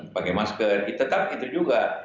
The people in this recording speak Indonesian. pakai masker tetap itu juga